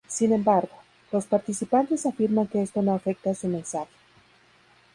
Sin embargo, los participantes afirman que esto no afecta su mensaje.